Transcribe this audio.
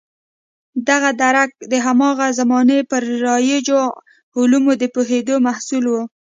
دغه درک د هماغه زمانې پر رایجو علومو د پوهېدو محصول و.